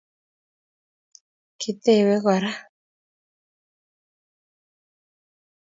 Kitebei kora